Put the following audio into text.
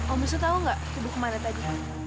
om bisa tahu nggak ibu kemana tadi